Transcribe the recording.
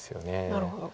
なるほど。